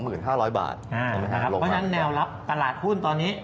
เพราะฉะนั้นแนวรับตลาดหุ้นตอนนี้